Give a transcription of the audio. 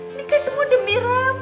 ini kan semua demiran